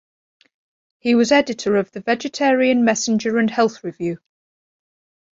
He was editor of "The Vegetarian Messenger and Health Review".